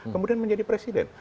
kemudian menjadi presiden